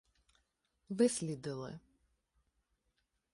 вислідили.